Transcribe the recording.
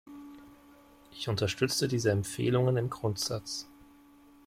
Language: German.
Ich unterstütze diese Empfehlungen im Grundsatz.